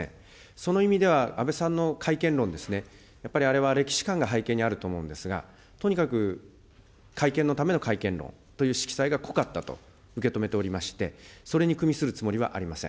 その意味では、安倍さんの改憲論ですね、やっぱりあれは歴史観が背景にあると思うんですが、とにかく改憲のための改憲論という色彩が濃かったと受け止めておりまして、それにくみするつもりはありません。